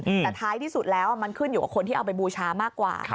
แต่ท้ายที่สุดแล้วมันขึ้นอยู่กับคนที่เอาไปบูชามากกว่า